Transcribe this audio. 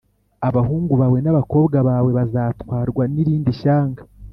Abahungu bawe n’abakobwa bawe bazatwarwa n’irindi shyanga